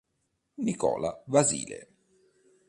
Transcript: Nicola Vasile